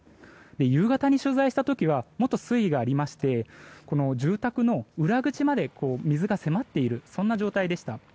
夕方に取材した時はもっと水位がありまして住宅の裏口まで水が迫っているそんな状態でした。